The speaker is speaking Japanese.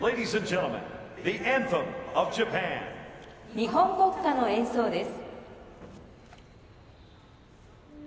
日本国歌の演奏です。